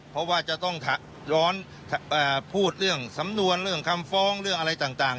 เพราะว่าจะต้องย้อนพูดเรื่องสำนวนเรื่องคำฟ้องเรื่องอะไรต่าง